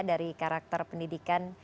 dari karakter pendidikan